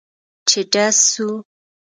چې ډز سو.